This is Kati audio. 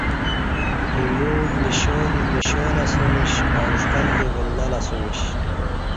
ایمو مشا دی مشالہ اسمِش او ݜٹل دی ولہ لہ اسمِش